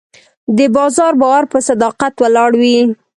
د بازار باور په صداقت ولاړ وي.